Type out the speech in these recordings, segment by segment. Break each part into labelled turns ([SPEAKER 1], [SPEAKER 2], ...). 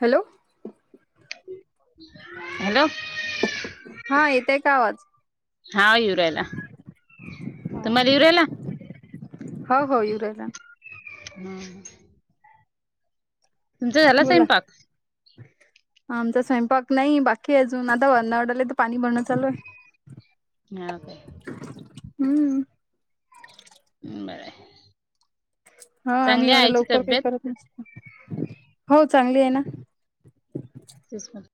[SPEAKER 1] Hello
[SPEAKER 2] hello
[SPEAKER 1] हा येतय का आवाज
[SPEAKER 2] हा हवऱ्याला तुम्हाला यवऱ्याला
[SPEAKER 1] हो हो युरालान
[SPEAKER 2] हम तुमचा झाला स्वंपाक
[SPEAKER 1] आमचा स्वयंपाक नाही बाकी अजून आता वध वाडाले तर पाणी भरणं चालू आहे
[SPEAKER 2] हा ओ काे
[SPEAKER 1] हम्म
[SPEAKER 2] ह् बर
[SPEAKER 1] हा आम्ही एवढं लवकर काही
[SPEAKER 2] तब्येत
[SPEAKER 1] करत नसतो हो चांगली आहे ना
[SPEAKER 2] तेच करत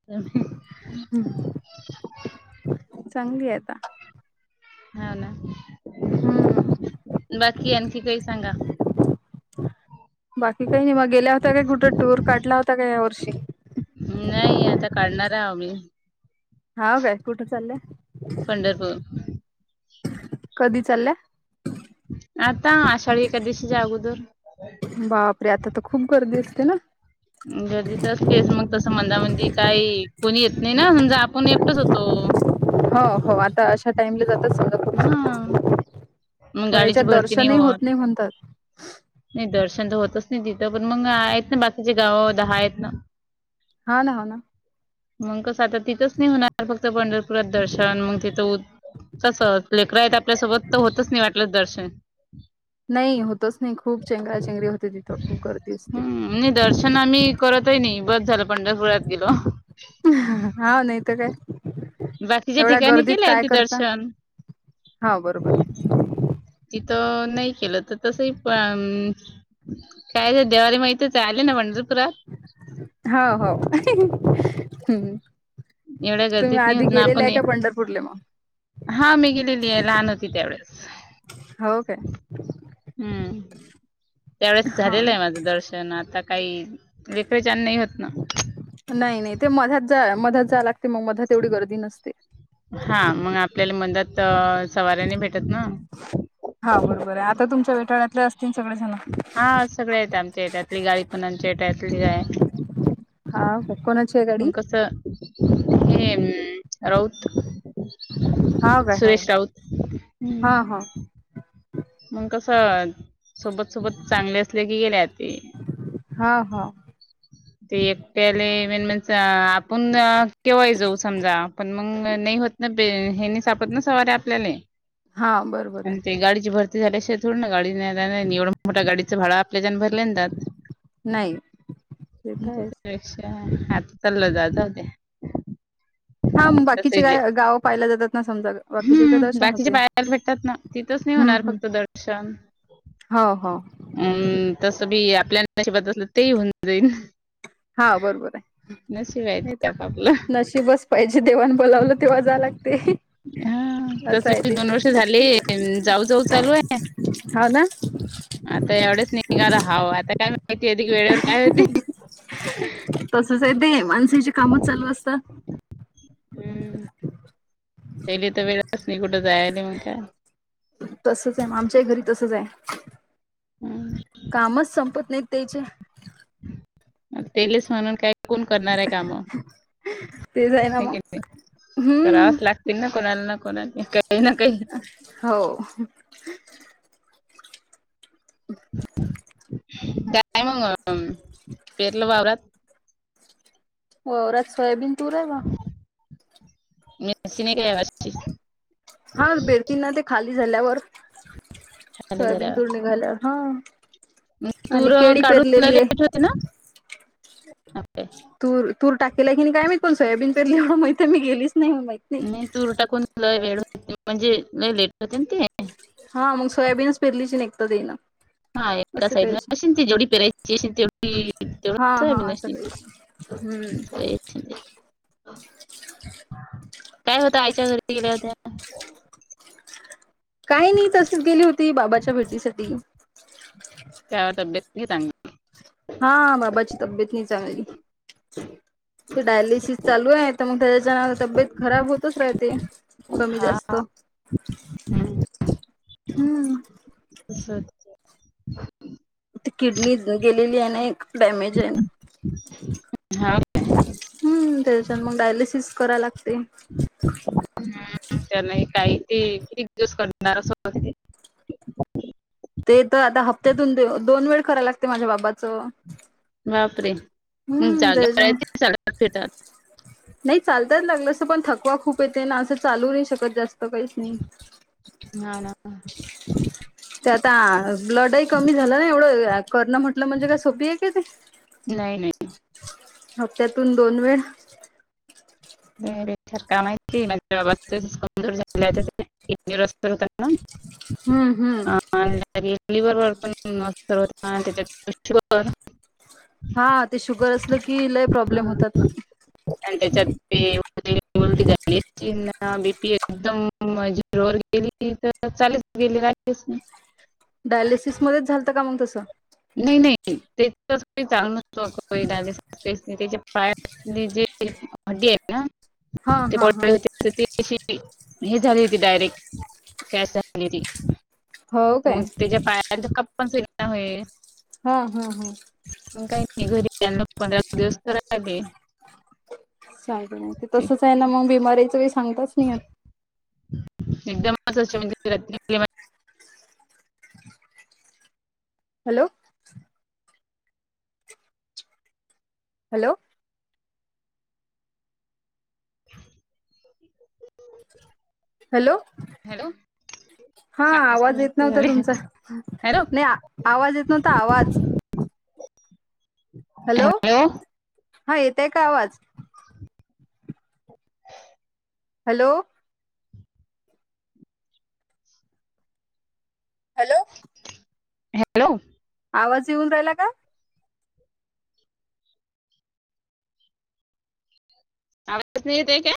[SPEAKER 1] चांगली आहे आता
[SPEAKER 2] हा ना
[SPEAKER 1] हम्म
[SPEAKER 2] बाकी आणखी काही सांगा
[SPEAKER 1] बाकी काही नाही मग गेल्या होता काय कुठं टूर काढला होता का या वर्षी
[SPEAKER 2] नाही आता काढणार आह आम्ही
[SPEAKER 1] हा काय कुठे चाललंय.
[SPEAKER 2] पंढरपूर आता आषाढी एकादशी जा अगोदर
[SPEAKER 1] बापरे आता तर खूप गर्दी असते ना.
[SPEAKER 2] गर्दी तरच केस मग तसं मंदामंदी काही कोणी येत नाही ना समजा आपण एकटच होतो.
[SPEAKER 1] हो हो आता टाम जातात
[SPEAKER 2] हा
[SPEAKER 1] समजा
[SPEAKER 2] मग
[SPEAKER 1] पण
[SPEAKER 2] गाडीची
[SPEAKER 1] याच्यात
[SPEAKER 2] भरती
[SPEAKER 1] दर्शनही होत नाही म्हणतात.
[SPEAKER 2] नाही दर्शन तर होतच नाही तिथं पण मग आहेत ना बाकीचे गाव दहा आहेत ना.
[SPEAKER 1] हा ना हो ना.
[SPEAKER 2] मग कसं आता तिथंच नाही होणार फक्त पंढरपुरात दर्शन मग त तू कस लेकर आहेत आपल्यासोबत तर होतच नाही वाटलंच दर्शन
[SPEAKER 1] नाही होतच नाही खूप चेंगरा चेंगरी होते तिथं खूप गर्दी असते.
[SPEAKER 2] करत आहे नाही बस झालं पंढरपुर्यात गेल.
[SPEAKER 1] हा नयत का
[SPEAKER 2] बाकीच्या
[SPEAKER 1] एवढ्या
[SPEAKER 2] ठिकाणी
[SPEAKER 1] गर्दीत
[SPEAKER 2] केले आहे
[SPEAKER 1] काय
[SPEAKER 2] ते
[SPEAKER 1] करता
[SPEAKER 2] दर्शन
[SPEAKER 1] हा बरोबर.
[SPEAKER 2] तिथं नाही केलं तर तसही पण कायच दिवाळी मा इथच आले ना पंढरपुरात
[SPEAKER 1] होा हो हम्
[SPEAKER 2] एवढ्या गर्दीत नाही होत ना आपण
[SPEAKER 1] पंढरपूरले मग
[SPEAKER 2] हा मी गेलेली आहे लहान होती तेवढळेस
[SPEAKER 1] हो काय
[SPEAKER 2] हम्म त्यावेळेस
[SPEAKER 1] हा
[SPEAKER 2] झालेलं आहे माझं दर्शन. ण आता काही रेकळेचन नाही होत ना.
[SPEAKER 1] नाही नाही ते मध्यात जा मधत जा लागते मग मधत एवढी गर्दी नसते.
[SPEAKER 2] हा मग आपल्याला मंदत सवऱ्यानी भेटत ना..
[SPEAKER 1] हा बरोबर आहे आता तुमच्या गोताळतली असतील सगळे जण.
[SPEAKER 2] आज सगळे त्यांचे त्यातली गाई पण आम्हाचे गाय
[SPEAKER 1] हा कोण?
[SPEAKER 2] मग कस हेम राऊत.
[SPEAKER 1] हा काय हो
[SPEAKER 2] सुरेश राऊत
[SPEAKER 1] हा
[SPEAKER 2] हम्म
[SPEAKER 1] हा
[SPEAKER 2] मग कस सोबत सोबत चांगले असले की गेले तेी
[SPEAKER 1] हा हा
[SPEAKER 2] ते एकट्याले म्ह आपण केव्हाय जाऊ समजा पण मग नाही होत. ने हेनी सापत ना सवारी आपल्याला
[SPEAKER 1] हा बरोबर
[SPEAKER 2] आणि ते
[SPEAKER 1] आहे
[SPEAKER 2] गाडीची भरती. झाल्याशि ोड ना गाडी नाही एवढं मोठा गाडीचं भाड आपल्या जन भरल्या जात.
[SPEAKER 1] नाही. तर आहेच
[SPEAKER 2] तेच्यापेक्षा आज कालं जा जा होते.
[SPEAKER 1] हा बाकीचे गा
[SPEAKER 2] कसहयले
[SPEAKER 1] गावं पाहिल्या जातात ना समजा बाकीच्या इकडे
[SPEAKER 2] हम्
[SPEAKER 1] दर्शन
[SPEAKER 2] बाकीच्या
[SPEAKER 1] होते
[SPEAKER 2] बाहेर भेटतात ना. तिथंच नाही
[SPEAKER 1] हम्म
[SPEAKER 2] होणार
[SPEAKER 1] हम्म
[SPEAKER 2] फक्त दर्शन
[SPEAKER 1] हो हो
[SPEAKER 2] हम् तसं बी आपल्यानशीबत असलं ते होऊन जाईन.
[SPEAKER 1] हा बरोबर आहे.
[SPEAKER 2] ते आपापलं.
[SPEAKER 1] दिवस पाहिजे देवण बोलावलं तेव्हा जाव लागते.
[SPEAKER 2] हा तस
[SPEAKER 1] असं आहे
[SPEAKER 2] म
[SPEAKER 1] ते
[SPEAKER 2] दोन वर्ष झाले जाऊ जाऊ चालू आहे.
[SPEAKER 1] हो ना
[SPEAKER 2] आता एवढेच निघाला हव आता काय माहिती आहे वेळेवर काय होते.
[SPEAKER 1] तसच आहे ते माणसाचे कामच चालू असतात.
[SPEAKER 2] पहिली तर वेळच नाही कुठं जायला म्हटल्यावर
[SPEAKER 1] तसच आहे आमच्याही घरी तसंच आहे
[SPEAKER 2] हम्म
[SPEAKER 1] कामच संपत नाहीत त्याचे
[SPEAKER 2] तेलेस म्हणून काय कोण करणार आहे काम
[SPEAKER 1] ते जाय ना मग हम्म
[SPEAKER 2] करावाच लागतील ना कोणाला ना कोणाने काही ना काही..
[SPEAKER 1] हो हम
[SPEAKER 2] काय मग पेरलं वावरात..
[SPEAKER 1] वरात सोयाबीन तूर आहे ग
[SPEAKER 2] मिरची नाही का यावेळेस
[SPEAKER 1] हा बेरती ना ते खाली झाल्यावर
[SPEAKER 2] झाले
[SPEAKER 1] सोयाबीन
[SPEAKER 2] जरा.
[SPEAKER 1] तुर निघाल्यावर.. हा आणि
[SPEAKER 2] तूर
[SPEAKER 1] केळी
[SPEAKER 2] काढून लय
[SPEAKER 1] पेरलेली आहे..
[SPEAKER 2] लेट होते ना ओके
[SPEAKER 1] तू तूर टाकेला की नाही काय महित पण सोयाबीन पेरल्यावर मी तर मी गेलीच नाही म मा
[SPEAKER 2] नाही तूर टाकून वेळ म्हणजे लय लेट होते ते
[SPEAKER 1] हा मग सोयाबीनच पिरलीची एक तर येईना
[SPEAKER 2] हा एका साईडने ते जेवढी पेरायची असे तेवढी
[SPEAKER 1] हा
[SPEAKER 2] तेवढा
[SPEAKER 1] हा
[SPEAKER 2] साहेब
[SPEAKER 1] असं
[SPEAKER 2] नशन
[SPEAKER 1] काहीच हम्म
[SPEAKER 2] व्हय.. काय होतं आईच्या घरी गेल्या होत्या
[SPEAKER 1] काही नाही अशीच गेली होती बाबाच्या भेटीसाठी..
[SPEAKER 2] त्यावत अभ्यर्थी तां
[SPEAKER 1] हा बाबाची तबीयेत नाही चांगली.. डायलिसिस चालू आहे तर मग त्याच्या तब्येत.. खराब होतच राहते कमी
[SPEAKER 2] हा
[SPEAKER 1] जास्त.. हम्म
[SPEAKER 2] अछत
[SPEAKER 1] किडनी गेलेली आहे ना एक डॅमेज आहे ना..
[SPEAKER 2] हा
[SPEAKER 1] हम त्याच्यात मग डायलिसिस करा लागते
[SPEAKER 2] [unintelligible]
[SPEAKER 1] ते तर आता हप्त्यातून दोन वेळ करायला लागते माझ्या बाबाचं
[SPEAKER 2] बापरे तुम्हच
[SPEAKER 1] हम्म
[SPEAKER 2] गाव
[SPEAKER 1] त्याच्या
[SPEAKER 2] आहे की साडेपाच मीटर
[SPEAKER 1] नाही चालतान लागल असं पण थकवा खूप येते ना असं चालू नाही शकत जास्त काहीच नाही.
[SPEAKER 2] हा ना
[SPEAKER 1] ते आता ब्लडही कमी झालं ना एवढं करन म्हंटलं म्हणजे काय सोपी आहे का ते..
[SPEAKER 2] नाही नाही
[SPEAKER 1] हप्त्यातून दोन वेळ..
[SPEAKER 2] [inaudible] [inaudible]
[SPEAKER 1] हम्म हम्म
[SPEAKER 2] लिव्हर वर पण [inaudible] [unintelligible] बर
[SPEAKER 1] हा ते शुगर असलं की लय प्रॉब्लेम होतात ना
[SPEAKER 2] आणि त्याच्या ते [unintelligible] झाली न बीपी एकदम झीरोवर गेली तर चालेच गेली राहिलेच नाही [unintelligible]
[SPEAKER 1] डायलिसिसमध्येच झालतं का मग तसं?
[SPEAKER 2] नाही नाही ते [unintelligible] ही नाही त्याच्या पायातली जे हड्डीय ना
[SPEAKER 1] हा
[SPEAKER 2] ते
[SPEAKER 1] हा हा
[SPEAKER 2] बाॅटलच्या तर तशी हे झाली होती डायरेक्ट कॅश झालेली
[SPEAKER 1] हो काय
[SPEAKER 2] मग त्याच्या पायाने तर कप्पन [unintelligible]
[SPEAKER 1] हा हा हा
[SPEAKER 2] आजून काही नाही घरी पंधरा दिवस तर राहिले
[SPEAKER 1] सांग मा तसंच आहे ना मग बिमारीचं पण सांगताच नाही येत
[SPEAKER 2] एकदम असचय म्हणजे [unintelligible]
[SPEAKER 1] हॅलो! हॅलो!
[SPEAKER 2] [inaudible]
[SPEAKER 1] हॅलो!
[SPEAKER 2] हॅलो
[SPEAKER 1] हा
[SPEAKER 2] सहाच
[SPEAKER 1] आवाज येत
[SPEAKER 2] मिनिट
[SPEAKER 1] नव्हता
[SPEAKER 2] झाले
[SPEAKER 1] तुमचा
[SPEAKER 2] हॅलो
[SPEAKER 1] नाही आवाज येत नव्हता आवाज
[SPEAKER 2] हॅलो
[SPEAKER 1] हा येतय का आवाज?
[SPEAKER 2] [inaudible]
[SPEAKER 1] हॅलो! हॅलो!
[SPEAKER 2] [inaudible] हॅलो!
[SPEAKER 1] आवाज येऊन राहिला का?
[SPEAKER 2] आवाजच नाही येतय का?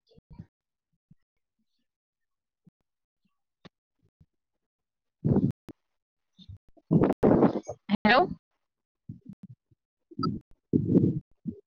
[SPEAKER 2] [inaudible] [inaudible] हॅलो [inaudible]